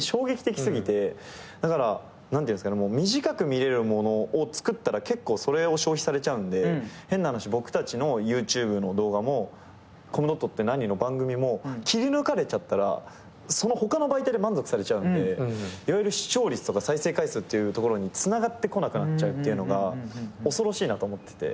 だから何ていうんですかね短く見れるものを作ったら結構それを消費されちゃうんで変な話僕たちのＹｏｕＴｕｂｅの動画も『コムドットって何？』の番組も切り抜かれちゃったら他の媒体で満足されちゃうんでいわゆる視聴率とか再生回数っていうところにつながってこなくなっちゃうっていうのが恐ろしいなと思ってて。